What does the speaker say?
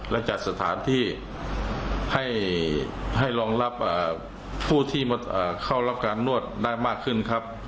และจัดสถานที่ให้รองรับผู้ที่เข้ารับการนวดได้มากขึ้นครับ